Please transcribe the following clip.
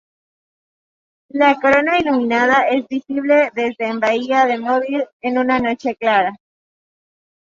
La corona iluminada es visible desde en Bahía de Mobile en una noche clara.